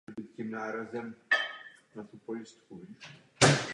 Kromě toho samy změny přinesou Turecku výhody.